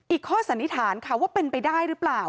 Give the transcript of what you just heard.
ข้อสันนิษฐานค่ะว่าเป็นไปได้หรือเปล่า